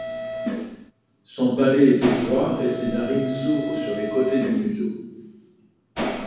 Son palais est étroit et ses narines s'ouvrent sur les côtés du museau.